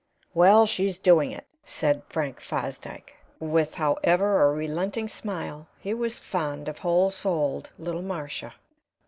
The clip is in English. "Well, she's doing it," said Frank Fosdyke, with, however, a relenting smile; he was fond of whole souled little Marcia.